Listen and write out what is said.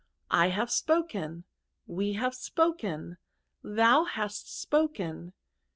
tt i hare spoken. We have spoken. Hiou hast spoken.